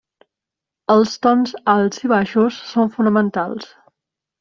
Els tons alts i baixos són fonamentals.